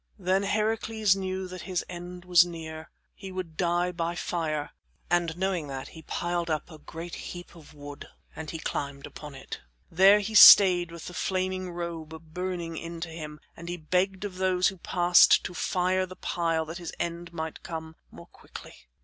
Then Heracles knew that his end was near. He would die by fire, and knowing that he piled up a great heap of wood and he climbed upon it. There he stayed with the flaming robe burning into him, and he begged of those who passed to fire the pile that his end might come more quickly.